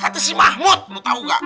kata si mahmud lu tau ga